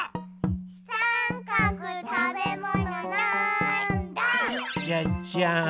さんかくたべものなんだ？じゃじゃん！